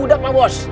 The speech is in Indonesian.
udah pak bos